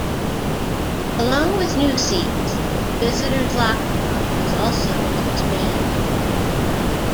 Along with new seats, the visitors' locker room was also expanded.